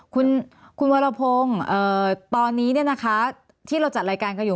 คุณวรพงศ์ตอนนี้ที่เราจัดรายการกันอยู่